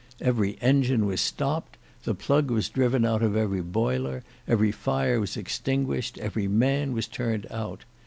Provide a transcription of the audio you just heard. Every engine was stopped, the plug was driven out of every boiler, every fire was extinguished, every man was turned out.